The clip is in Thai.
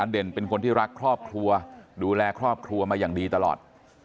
เด่นเป็นคนที่รักครอบครัวดูแลครอบครัวมาอย่างดีตลอด